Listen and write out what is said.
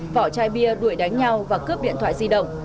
vỏ chai bia đuổi đánh nhau và cướp điện thoại di động